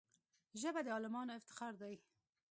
ژبه د عالمانو افتخار دی